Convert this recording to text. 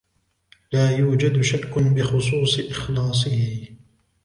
لا يوجد شك بخصوص إخلاصه.